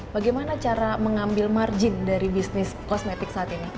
bagaimana cara mengambil margin dari bisnis kosmetik saat ini